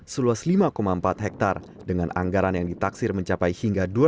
seluas lima empat hektare dengan anggaran yang ditaksir mencapai hingga dua ribu